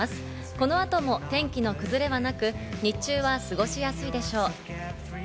この後も天気の崩れはなく、日中は過ごしやすいでしょう。